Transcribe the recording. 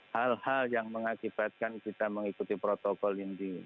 hal hal yang mengakibatkan kita mengikuti protokol ini